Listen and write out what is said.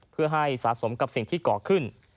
เพื่อให้สะสมกับสิ่งที่ก่อขึ้น